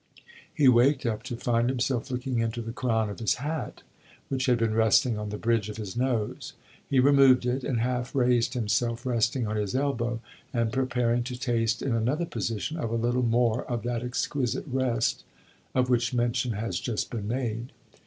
He waked up to find himself looking into the crown of his hat, which had been resting on the bridge of his nose. He removed it, and half raised himself, resting on his elbow and preparing to taste, in another position, of a little more of that exquisite rest of which mention has just been made.